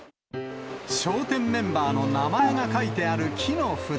笑点メンバーの名前が書いてある木の札。